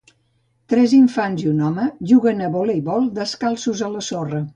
Tres infants i un home juguen a voleibol descalços a la sorra.